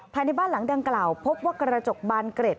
ภายในบ้านหลังดังกล่าวพบว่ากระจกบานเกร็ด